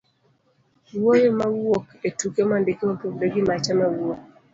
wuoyo mawuok e tuke mondiki, mopogore gi macha mawuok